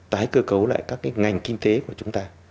tái cơ cấu lại các cái ngành kinh tế của chúng ta